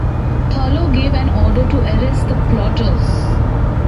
Thurloe gave an order to arrest the plotters.